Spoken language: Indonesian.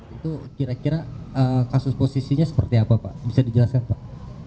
itu kira kira kasus posisinya seperti apa pak bisa dijelaskan pak